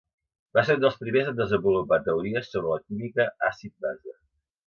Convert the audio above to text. Va ser un dels primers en desenvolupar teories sobre la química àcid-base.